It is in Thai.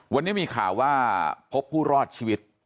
วันนี้มีข่าวว่าพบผู้รอดชีวิต